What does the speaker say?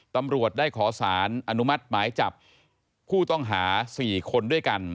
ตำรวจได้ขอสารอนุมัติหมายจับผู้ต้องหา๔คนด้วยกัน